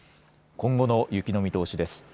今後の雪の見通しです。